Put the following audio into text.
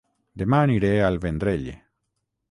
Dema aniré a El Vendrell